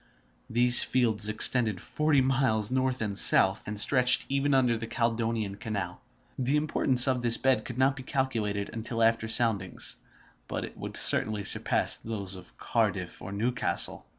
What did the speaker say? These fields extended forty miles north and south, and stretched even under the Caledonian Canal. The importance of this bed could not be calculated until after soundings, but it would certainly surpass those of Cardiff and Newcastle.